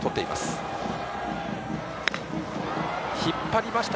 引っ張りました。